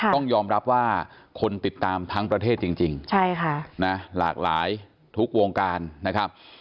ต้องยอมรับว่าคนติดตามทั้งประเทศจริงหลากหลายทุกวงการนะครับ